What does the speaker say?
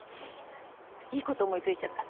いいこと思いついちゃった。